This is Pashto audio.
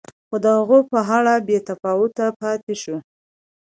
خو د هغه په اړه بې تفاوت پاتې شو.